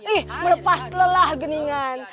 ih melepas lelah geningan